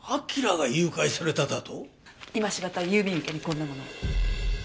今しがた郵便受けにこんなものが。